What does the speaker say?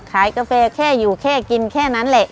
กาแฟแค่อยู่แค่กินแค่นั้นแหละ